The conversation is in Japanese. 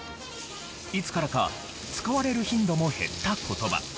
いつからか使われる頻度も減った言葉。